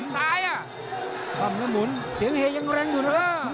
แสนชายน้อยอ่ะละ